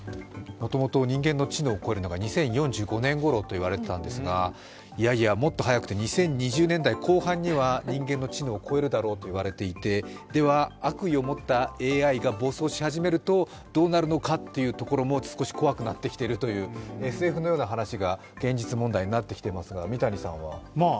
もともと人間の知能を超えるのが２０４５年ごろといわれていたんですがいやいや、もっと早くて２０２０年代後半には人間の知能を超えるだろうと言われていて、では悪意を持ったＡＩが暴走し始めると、どうなるのかというところも少し怖くなってきているというＳＦのような話が現実問題になってきていますが三谷さんは？